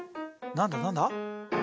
何だ何だ？